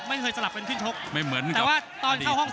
ไม่เคยสลับเป็นชุดชก